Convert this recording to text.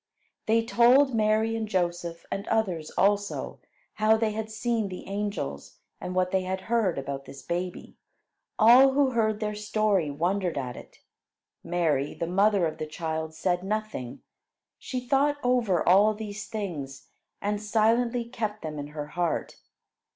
They told Mary and Joseph, and others also, how they had seen the angels, and what they had heard about this baby. All who heard their story wondered at it; Mary, the mother of the child, said nothing. She thought over all these things, and silently kept them in her heart.